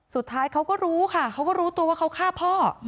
สุดท้ายเขาก็รู้ค่ะเขาก็รู้ตัวว่าเขาฆ่าพ่อ